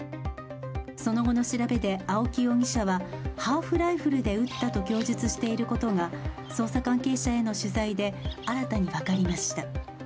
その後の調べで、青木容疑者はハーフライフルで撃ったと供述していることが捜査関係者への取材で新たに分かりました。